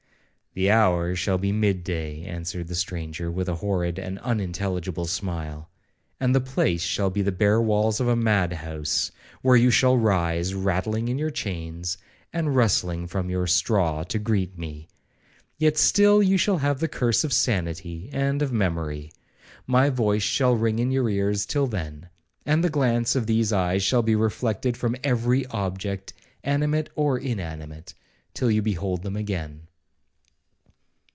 'The hour shall be mid day,' answered the stranger, with a horrid and unintelligible smile; 'and the place shall be the bare walls of a madhouse, where you shall rise rattling in your chains, and rustling from your straw, to greet me,—yet still you shall have the curse of sanity, and of memory. My voice shall ring in your ears till then, and the glance of these eyes shall be reflected from every object, animate or inanimate, till you behold them again.'